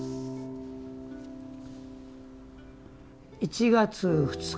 １月２日。